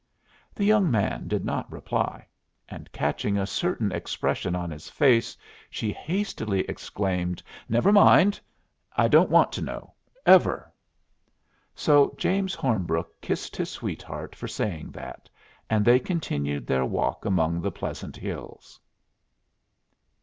The young man did not reply, and catching a certain expression on his face, she hastily exclaimed: "Never mind! I don't want to know ever!" So James Hornbrook kissed his sweetheart for saying that, and they continued their walk among the pleasant hills.